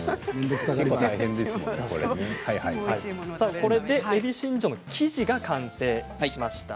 これでえびしんじょの生地が完成しました。